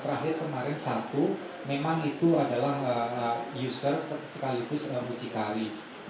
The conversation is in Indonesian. terakhir kemarin satu memang itu adalah user sekaligus mucikari